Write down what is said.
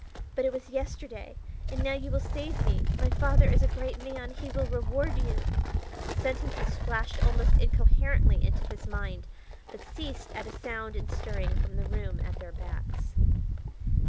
But it was yesterday. And now you will save me; my father is a great man; he will reward you " The sentences flashed almost incoherently into his mind, but ceased at a sound and stirring from the room at their backs.